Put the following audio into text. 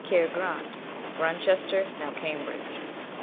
Cair grant (Grantchester, now Cambridge).